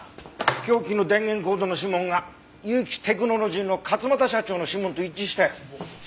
凶器の電源コードの指紋が結城テクノロジーの勝又社長の指紋と一致したよ。